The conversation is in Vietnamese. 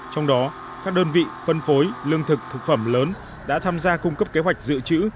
trong đó các đơn vị phân phối lương thực thực phẩm lớn đã tham gia cung cấp kế hoạch dự trữ